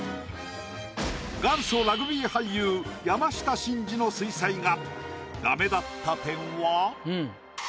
元祖ラグビー俳優山下真司の水彩画。